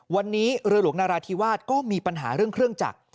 วันนี้เรือหลวงนาราธิวาสก็มีปัญหาเรื่องเครื่องจักร